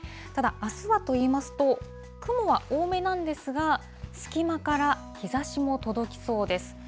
ただ、あすはといいますと、雲は多めなんですが、隙間から日ざしも届きそうです。